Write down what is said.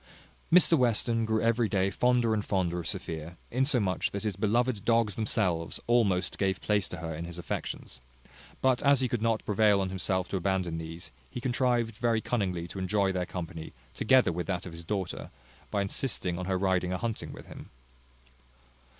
Mr Western grew every day fonder and fonder of Sophia, insomuch that his beloved dogs themselves almost gave place to her in his affections; but as he could not prevail on himself to abandon these, he contrived very cunningly to enjoy their company, together with that of his daughter, by insisting on her riding a hunting with him.